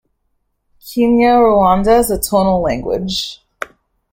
Kinyarwanda is a tonal language.